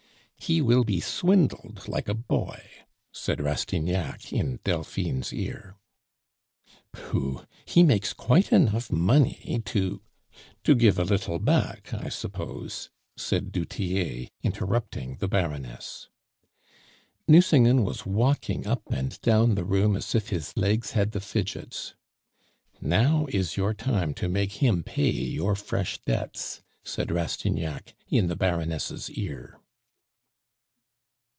"He will be swindled like a boy," said Rastignac in Delphine's ear. "Pooh! he makes quite enough money to " "To give a little back, I suppose," said du Tillet, interrupting the Baroness. Nucingen was walking up and down the room as if his legs had the fidgets. "Now is your time to make him pay your fresh debts," said Rastignac in the Baroness' ear.